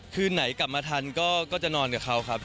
คืนไหนกลับมาทันก็จะนอนกับเขาครับ